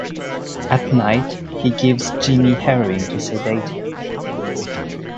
At night, he gives Jimmy heroin to sedate him.